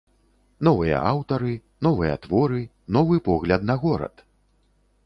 Новыя аўтары, новыя творы, новы погляд на горад!